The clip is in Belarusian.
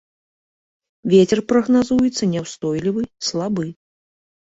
Вецер прагназуецца няўстойлівы, слабы.